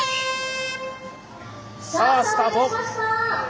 さあスタート。